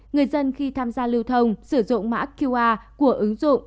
người dân khi tham gia lưu thông sử dụng mã qr của ứng dụng